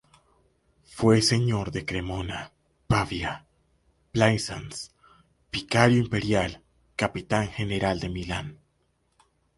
Fue señor de Cremona, Pavía, Plaisance, vicario imperial, capitán general de Milán.